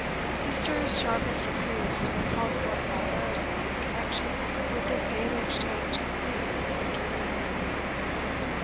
"Sister's" sharpest reproofs were called forth by errors made in connection with this daily exchange of clean for dirty linen.